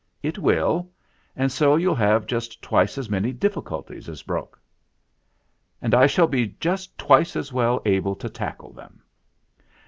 "It will; and so you'll have just twice as many difficulties as Brok." "And I shall be just twice as well able to tackle them."